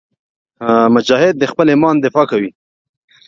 مجاهد د خپل ایمان دفاع کوي.